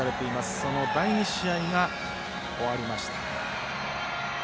その第２試合が終わりました。